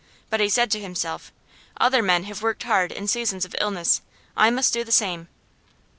But he said to himself: 'Other men have worked hard in seasons of illness; I must do the same.